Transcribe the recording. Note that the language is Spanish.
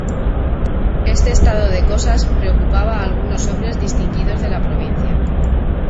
Este estado de cosas preocupaba a algunos hombres distinguidos de la provincia.